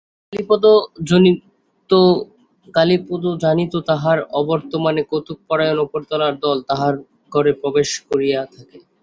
কালীপদ জানিত তাহার অবর্তমানে কৌতুকপরায়ণ উপরতলার দল তাহার ঘরে প্রবেশ করিয়া থাকে।